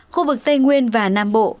khu vực tây nguyên và nam bộ